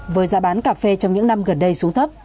với giá bán cà phê trong những năm gần đây xuống thấp